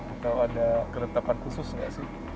atau ada keretapan khusus nggak sih